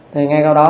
thì ngay sau đó